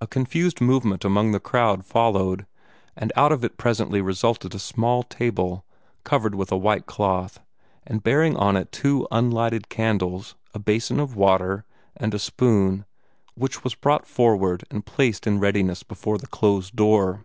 A confused movement among the crowd followed, and out of it presently resulted a small table, covered with a white cloth, and bearing on it two unlighted candles, a basin of water, and a spoon, which was brought forward and placed in readiness before the closed door.